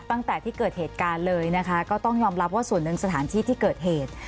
ตั้งแต่ที่เกิดเหตุการณ์เลยนะคะก็ต้องยอมรับว่าส่วนหนึ่งสถานที่ที่เกิดเหตุ